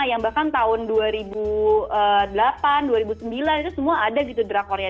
yang bahkan tahun dua ribu delapan dua ribu sembilan itu semua ada gitu drakornya